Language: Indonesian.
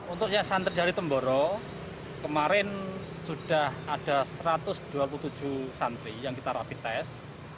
untuknya santri dari temboro kemarin sudah ada satu ratus dua puluh tujuh santri yang kita rapi tes